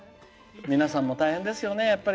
皆さんも大変ですよね、やっぱり。